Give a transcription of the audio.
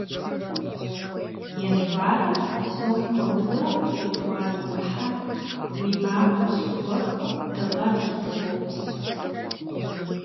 Yanvarım, psom xuemıdeu yêt'uane 'ıhem, yi maxue şhexuexem dığer lıdu khops.